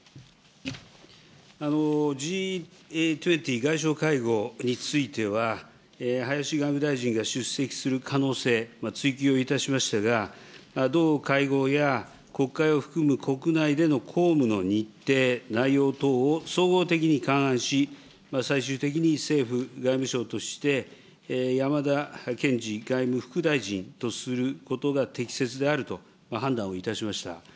Ｇ２０外相会合については、林外務大臣が出席する可能性、追及をいたしましたが、同会合や国会を含む国内での公務の日程、内容等を総合的に勘案し、最終的に政府、外務省としてやまだけんじ外務副大臣とすることが適切であると判断をいたしました。